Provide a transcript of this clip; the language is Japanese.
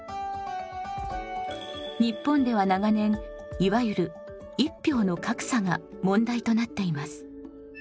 日本では長年いわゆる「一票の格差」が問題となっています。